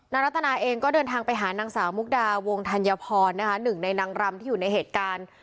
รัตนาเองก็เดินทางไปหานางสาวมุกดาวงธัญพรนะคะหนึ่งในนางรำที่อยู่ในเหตุการณ์